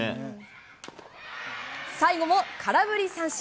最後も空振り三振。